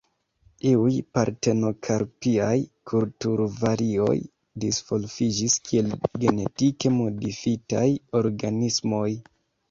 Iuj partenokarpiaj kulturvarioj disvolviĝis kiel genetike modifitaj organismoj.